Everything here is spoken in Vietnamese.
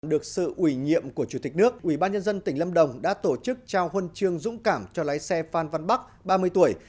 được sự ủy nhiệm của chủ tịch nước ubnd tỉnh lâm đồng đã tổ chức trao huân chương dũng cảm cho lái xe phan văn bắc ba mươi tuổi